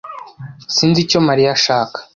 Sinzi icyo Mariya ashaka